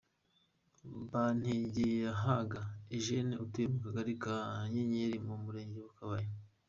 Bantegeyahaga Eugenie atuye mu kagari ka Nyenyeri mu murenge wa Kabaya.